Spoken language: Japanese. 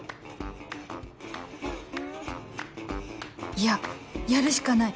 いややるしかない